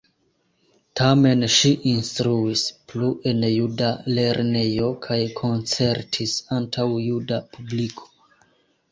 Tamen ŝi instruis plu en juda lernejo kaj koncertis antaŭ juda publiko.